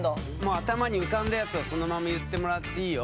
頭に浮かんだやつをそのまま言ってもらっていいよ。